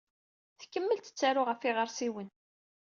Tkemmel tettaru ɣef yiɣersiwen.